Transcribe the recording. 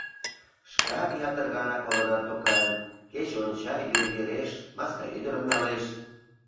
Шкат ятыр гана колынат докан: «Кече онча, йӱр йӱреш, маска ӱдырым налеш».